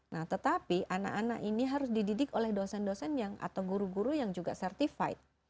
nah tetapi anak anak ini harus dididik oleh dosen dosen yang atau guru guru yang juga certified